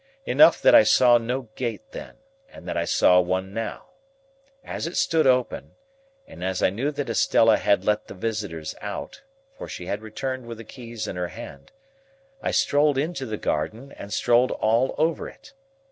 Enough that I saw no gate then, and that I saw one now. As it stood open, and as I knew that Estella had let the visitors out,—for she had returned with the keys in her hand,—I strolled into the garden, and strolled all over it.